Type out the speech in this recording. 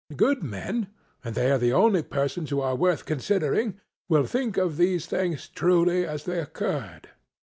Good men, and they are the only persons who are worth considering, will think of these things truly as they occurred.